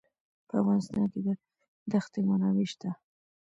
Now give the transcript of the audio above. په افغانستان کې د دښتې منابع شته.